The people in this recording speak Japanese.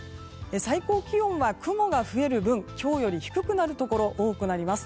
最高気温は雲が増える分今日より低くなるところが多くなります。